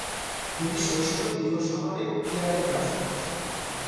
তিনি শৈশবে লিয়োঁ শহরে কেরানির কাজ করতে যান।